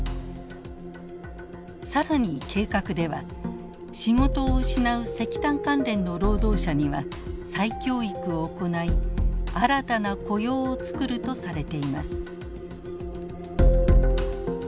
更に計画では仕事を失う石炭関連の労働者には再教育を行い新たな雇用をつくるとされています。